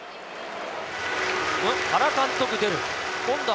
原監督出る。